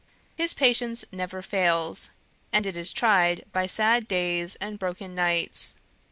His patience never fails, and it is tried by sad days and broken nights.